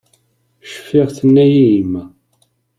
Cfiɣ tenna-yi yemma.